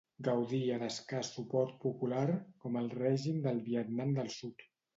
Gaudia d'escàs suport popular, com el règim del Vietnam del Sud.